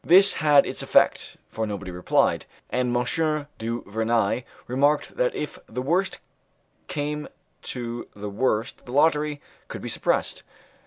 This had its effect, for nobody replied; and M. du Vernai remarked that if the worst came to the worst the lottery could be suppressed.